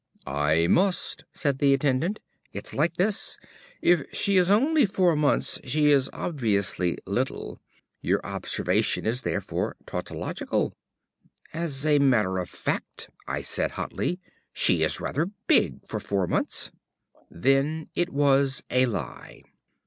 "I must," said the attendant. "It's like this. If she is only four months, she is obviously little. Your observation is therefore tautological." "As a matter of fact," I said hotly, "she is rather big for four months." "Then it was a lie."